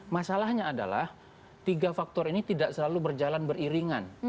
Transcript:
masalahnya adalah tiga faktor ini tidak selalu berjalan beriringan